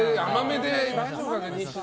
大丈夫かな。